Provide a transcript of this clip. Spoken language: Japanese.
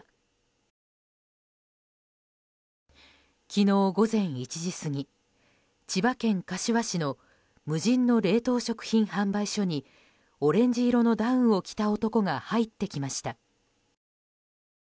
昨日午前１時過ぎ千葉県柏市の無人の冷凍食品販売所にオレンジ色のダウンを着た男が入ってきました。